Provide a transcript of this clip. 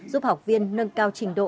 giúp học viên nâng cao trình độ